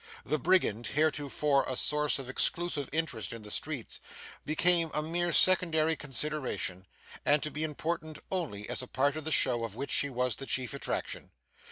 The Brigand, heretofore a source of exclusive interest in the streets, became a mere secondary consideration, and to be important only as a part of the show of which she was the chief attraction.